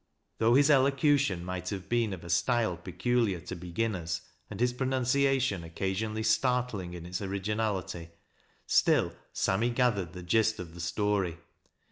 Though his elocution may have been of a style peculiar to beginners and hia pronunciation occasionally startling in its originality, still Sammy gathered the gist of the story.